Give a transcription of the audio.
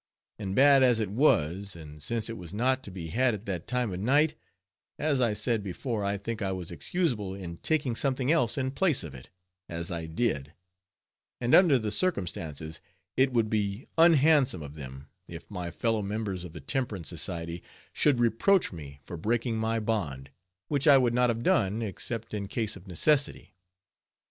And bad as it was, and since it was not to be had at that time of night, as I said before, I think I was excusable in taking something else in place of it, as I did; and under the circumstances, it would be unhandsome of them, if my fellow members of the Temperance Society should reproach me for breaking my bond, which I would not have done except in case of necessity.